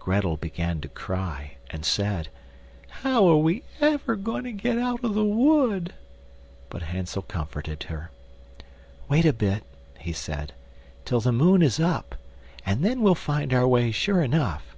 Grettel began to cry, and said: "How are we ever to get out of the wood?" But Hansel comforted her. "Wait a bit," he said, "till the moon is up, and then we'll find our way sure enough."